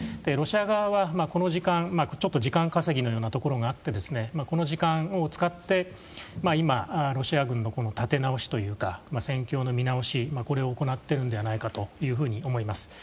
ロシア側は、この時間ちょっと時間稼ぎのようなところがあってこの時間を使って今、ロシア軍の立て直しというか戦況の見直しを行っているのではと思います。